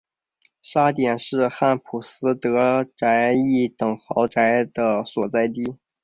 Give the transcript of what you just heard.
沙点是汉普斯德宅邸等豪宅的所在地。